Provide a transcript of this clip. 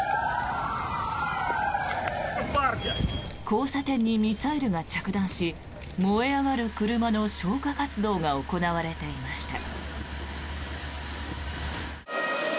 交差点にミサイルが着弾し燃え上がる車の消火活動が行われていました。